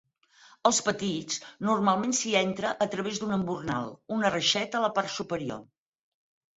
Als petits normalment s'hi entra a través d'un embornal una reixeta a la part superior.